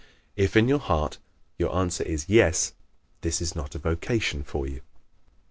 _ If, in your heart, your answer is "Yes," this is not a vocation for you.